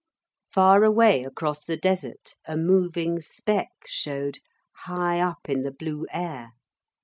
Far away across the desert a moving speck showed, high up in the blue air.